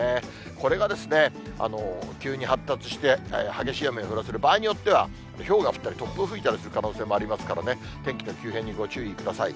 これが急に発達して、激しい雨を降らせる、場合によっては、ひょうが降ったり、突風が吹いたりする可能性がありますからね、天気の急変にご注意ください。